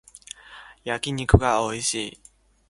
焼き肉がおいしい